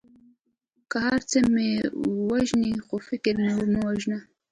که هر څه مې وژنې خو فکر مې مه وژنه.